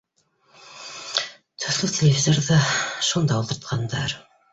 Төҫлө телевизорҙы шунда ултыртҡандар